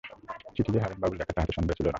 চিঠি যে হারানবাবুর লেখা তাহাতে সন্দেহ ছিল না।